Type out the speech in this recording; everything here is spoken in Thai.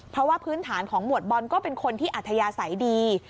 เพราะว่าพื้นฐานของหมวดบอลก็เป็นคนที่อัธยาศัยดี